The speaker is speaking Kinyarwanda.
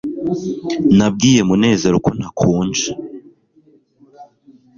nabwiye munezero ko ntashonje